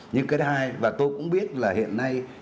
nhưng cái thứ hai và tôi cũng biết là hiện nay